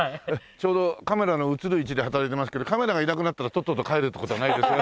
ちょうどカメラの映る位置で働いてますけどカメラがいなくなったらとっとと帰るって事はない？